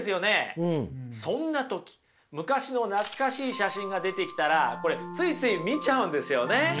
そんな時昔の懐かしい写真が出てきたらこれついつい見ちゃうんですよね。